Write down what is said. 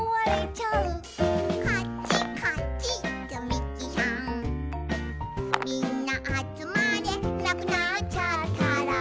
みんなあつまれ」「なくなっちゃったら」